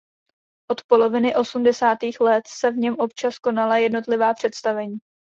Od poloviny osmdesátých let se v něm občas konala jednotlivá představení.